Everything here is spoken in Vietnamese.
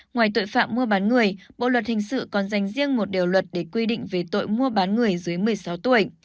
ngoài tội phạm mua bán người bộ luật hình sự còn dành riêng một điều luật để quy định về tội mua bán người dưới một mươi sáu tuổi